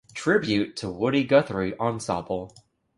Tribute to Woody Guthrie ensemble.